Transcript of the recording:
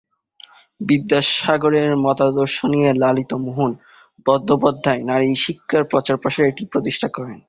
বিদ্যাসাগরের মতাদর্শ নিয়ে ললিত মোহন বন্দ্যোপাধ্যায় নারী শিক্ষার প্রচার প্রসারে এটি প্রতিষ্ঠা করেন।